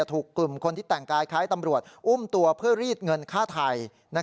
ถูกกลุ่มคนที่แต่งกายคล้ายตำรวจอุ้มตัวเพื่อรีดเงินฆ่าไทย